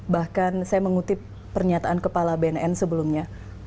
bahkan saya mengutip pernyataan kepala bnn sebelumnya